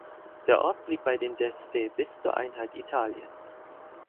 Der Ort blieb bei den d’Este bis zur Einheit Italiens.